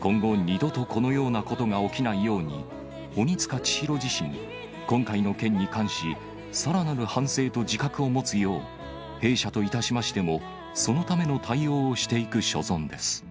今後、二度とこのようなことが起きないように、鬼束ちひろ自身、今回の件に関し、さらなる反省と自覚を持つよう、弊社といたしましても、そのための対応をしていく所存です。